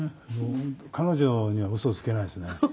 彼女には嘘をつけないですね。